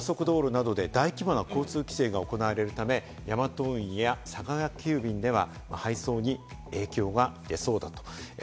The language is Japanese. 高速道路などで大規模な交通規制が行われるため、ヤマト運輸や佐川急便では配送に影響が出そうだということです。